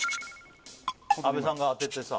阿部さんが当ててさ